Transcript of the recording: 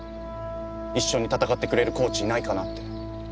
一緒に戦ってくれるコーチいないかなって。